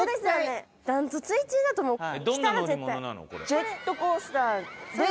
ジェットコースターで。